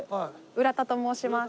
浦田と申します。